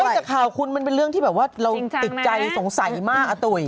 จากข่าวคุณมันเป็นเรื่องที่แบบว่าเราติดใจสงสัยมากอาตุ๋ย